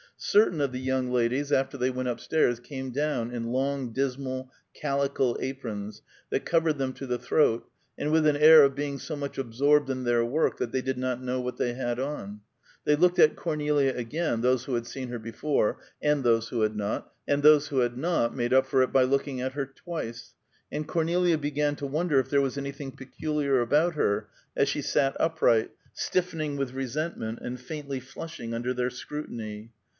Certain of the young ladies after they went up stairs came down in long, dismal calico aprons that covered them to the throat, and with an air of being so much absorbed in their work that they did not know what they had on. They looked at Cornelia again, those who had seen her before, and those who had not, made up for it by looking at her twice, and Cornelia began to wonder if there was anything peculiar about her, as she sat upright, stiffening with resentment and faintly flushing under their scrutiny.